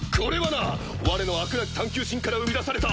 なき探究心から生み出された。